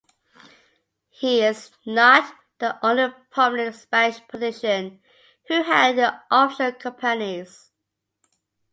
He is not the only prominent Spanish politician who had offshore companies.